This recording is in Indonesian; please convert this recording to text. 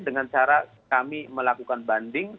dengan cara kami melakukan banding